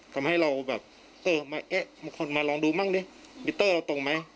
ทำให้เราแบบเออมาเอ๊ะมีคนมาลองดูมั่งดิมิเตอร์เราตรงไหม